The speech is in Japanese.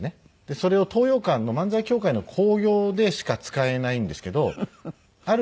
それを東洋館の漫才協会の興行でしか使えないんですけどある